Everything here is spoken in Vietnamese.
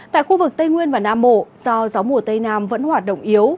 tại khu vực tây nguyên và nam bộ do gió mùa tây nam vẫn hoạt động yếu